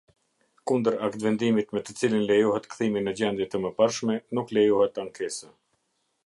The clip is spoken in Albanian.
Kundër aktvendimit me të cilin lejohet kthimi në gjendje të mëparshme nuk lejohet ankesë.